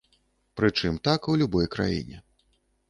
Прычым, так у любой краіне.